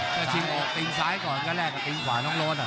ถ้าชิงออกติงซ้ายก่อนก็แรกกับติงขวาน้องโรสอะ